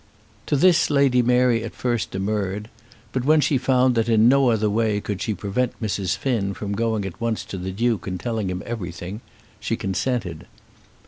To this Lady Mary at first demurred, but when she found that in no other way could she prevent Mrs. Finn from going at once to the Duke and telling him everything, she consented.